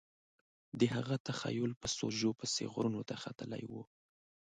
د هغه تخیل په سوژو پسې غرونو ته ختلی و